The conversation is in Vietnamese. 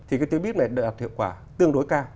thì cái tuyến bíp này đợi hợp hiệu quả tương đối cao